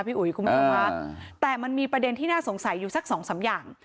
อุ๋ยคุณผู้ชมค่ะแต่มันมีประเด็นที่น่าสงสัยอยู่สักสองสามอย่าง